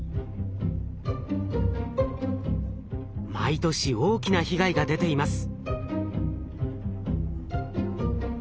毎年大きな被害が出ています。